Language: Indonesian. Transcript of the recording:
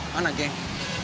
oh anak geng